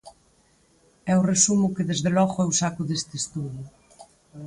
É o resumo que, desde logo, eu saco deste estudo.